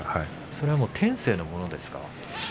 それは天性のものですか。